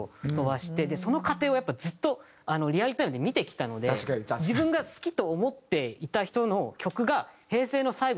その過程をやっぱずっとリアルタイムで見てきたので自分が好きと思っていた人の曲が平成の最後にやっぱりこういう大きい結果を出して。